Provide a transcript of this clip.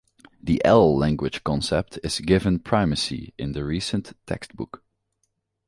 The I-language concept is given primacy in a recent textbook.